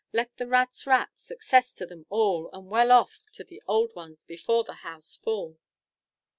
Let the rats rat! Success to them all, And well off to the old ones before the house fall!"